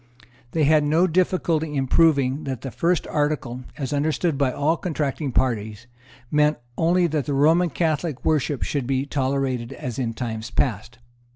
They had no difficulty in proving that the first article, as understood by all the contracting parties, meant only that the Roman Catholic worship should be tolerated as in time past.